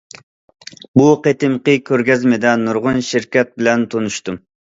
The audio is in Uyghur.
بۇ قېتىمقى كۆرگەزمىدە نۇرغۇن شىركەت بىلەن تونۇشتۇم.